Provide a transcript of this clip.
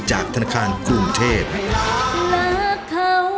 จากธนาคารกรุงเทพฯ